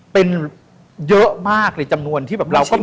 เป็นเยอะมากเลยจำนวนที่เราก็รู้จัก